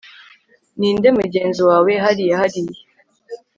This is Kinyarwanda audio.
ninde mugenzi wawe hariya hariya